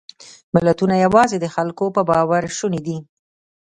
ملتونه یواځې د خلکو په باور شوني دي.